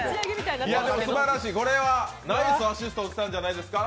でも、すばらしい、これはナイスアシストをしたんじゃないですか。